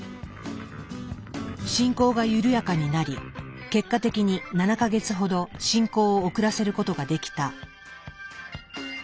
進行が緩やかになり結果的に７か月ほど進行を遅らせることができた。